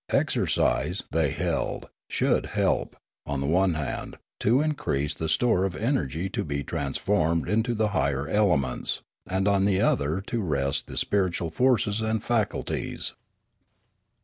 Exercise, they held, should help, on the one hand, to increase the store of energy to be transformed into the higher elements, and on the other to rest the spiritual forces and faculties.